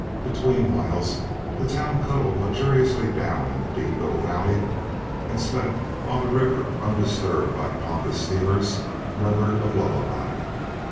Between whiles the town cuddled luxuriously down in the deep little valley and slept while the river, undisturbed by pompous steamers, murmured a lullaby.